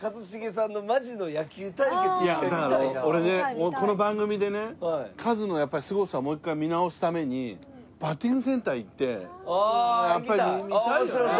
だから俺ねこの番組でねカズのすごさをもう一回見直すためにバッティングセンター行ってやっぱり見たいよね